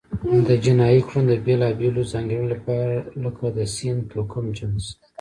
د جنایي کړنو د بیلابېلو ځانګړنو لکه د سن، توکم، جنس،